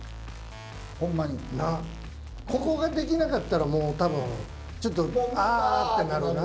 ここができなかったらもう多分ちょっと「あー！」ってなるな。